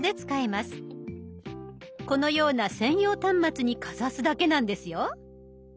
このような専用端末にかざすだけなんですよ。